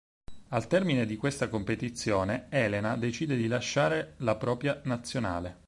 Al termine di questa competizione, Elena decide di lasciare la propria nazionale.